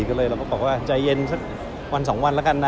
ก็เลยเราก็บอกว่าใจเย็นสักวันสองวันแล้วกันนะ